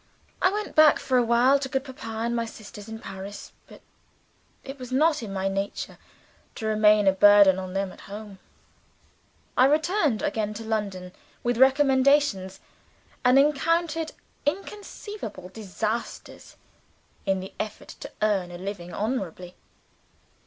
I went back for awhile to good Papa and my sisters in Paris. But it was not in my nature to remain and be a burden on them at home. I returned again to London, with recommendations: and encountered inconceivable disasters in the effort to earn a living honorably.